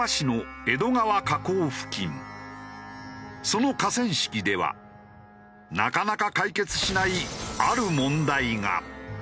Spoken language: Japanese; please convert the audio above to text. その河川敷ではなかなか解決しないある問題が。